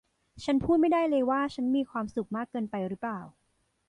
ฉันพูดไม่ได้เลยว่าฉันมีความสุขมากเกินไปหรือเปล่า